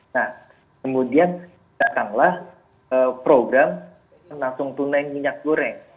nah kemudian datanglah program langsung tunai minyak goreng